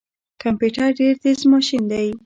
کمپيوټر ډیر تیز ماشین دی